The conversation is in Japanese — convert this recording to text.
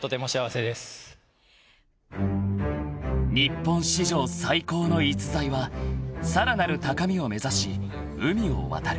［日本史上最高の逸材はさらなる高みを目指し海を渡る］